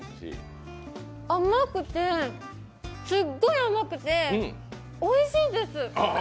甘くて、すっごい甘くて、おいしいです！